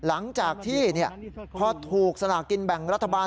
หลังจากที่พอถูกสลากินแบ่งรัฐบาล